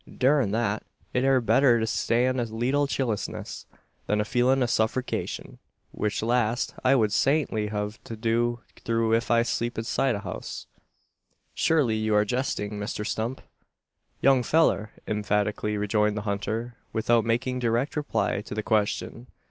"Durn that! It air better to stan' a leetle chillishness, than a feelin' o' suffercation which last I wud sartintly hev to go through ef I slep inside o' a house." "Surely you are jesting, Mr Stump?" "Young fellur!" emphatically rejoined the hunter, without making direct reply to the question.